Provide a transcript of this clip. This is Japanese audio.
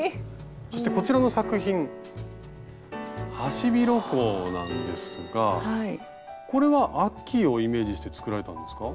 そしてこちらの作品ハシビロコウなんですがこれは秋をイメージして作られたんですか？